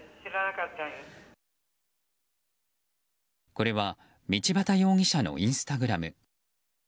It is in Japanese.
これは道端容疑者のインスタグラム。